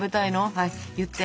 はい言って。